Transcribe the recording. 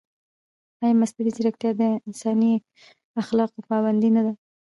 ایا مصنوعي ځیرکتیا د انساني اخلاقو پابنده نه ده؟